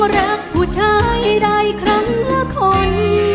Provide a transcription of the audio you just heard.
รักผู้ชายใดครั้งละคน